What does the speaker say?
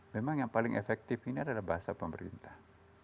memang yang paling efektif ini adalah bahasa pemerintah